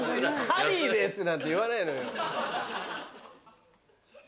「ハリーです」なんて言わないのよ。